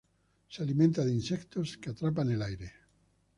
Se alimenta de insectos que atrapa en el aire.